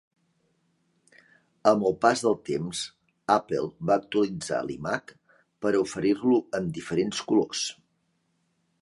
Amb el pas del temps Apple va actualitzar l'iMac per a oferir-lo en diferents colors.